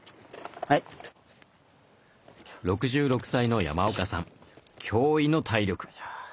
６６歳の山岡さん驚異の体力。